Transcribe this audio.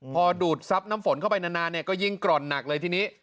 พอดูดซับน้ำฝนเข้าไปนานเนี่ยก็ยิ่งกร่อนหนักเลยทีนี้